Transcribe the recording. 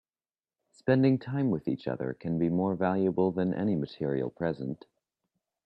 Spending time with each other can be more valuable than any material present.